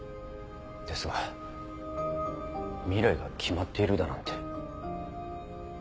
ですが未来が決まっているだなんて。